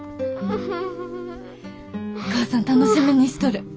お母さん楽しみにしとる。